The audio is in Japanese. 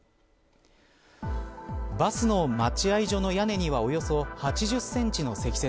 バスの待合所の屋根にはおよそ８０センチの積雪。